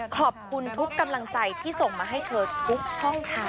ขอบคุณทุกกำลังใจที่ส่งมาให้เธอทุกช่องทาง